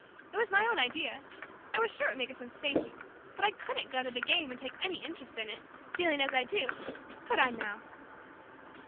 It was my own idea. I was sure it would make a sensation. But I couldn't go to the game and take any interest in it, feeling as I do, could I, now?"